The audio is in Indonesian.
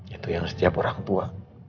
itu yang setiap orang tua